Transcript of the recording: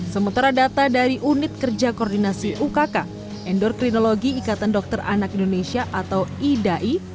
sementara data dari unit kerja koordinasi ukk endokrinologi ikatan dokter anak indonesia atau idai